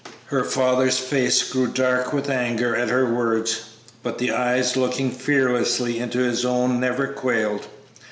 Her father's face grew dark with anger at her words, but the eyes looking fearlessly into his own never quailed.